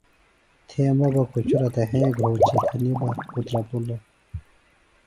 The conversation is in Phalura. تھے می بہ کُچُرہ تھےۡ ہیں گھورڅیۡ تھنیۡ بہ اُترپِلوۡ